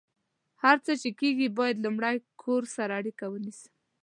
هر څه چې کیږي، باید لمړۍ کور سره اړیکه ونیسم